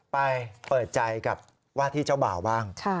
ไปเปิดใจกับว่าที่เจ้าบ่าวบ้าง